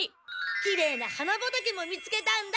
きれいな花畑も見つけたんだ。